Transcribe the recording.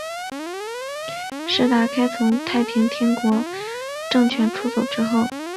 石达开从太平天国政权出走之后。